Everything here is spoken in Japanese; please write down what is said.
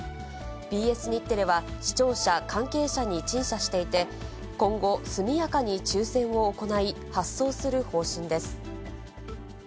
ＢＳ日テレは視聴者、関係者に陳謝していて、今後速やかに抽せんを行い、発送する方針です。